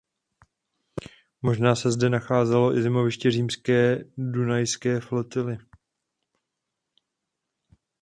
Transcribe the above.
Možná se zde nacházelo i zimoviště římské dunajské flotily.